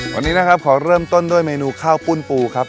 วันนี้นะครับขอเริ่มต้นด้วยเมนูข้าวปุ้นปูครับ